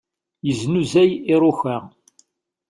Yeznuzay iruka.